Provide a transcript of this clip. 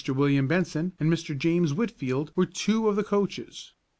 William Benson and Mr. James Whitfield were two of the coaches.